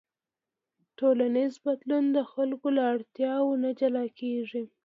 ټولنیز بدلون د خلکو له اړتیاوو نه جلا کېږي.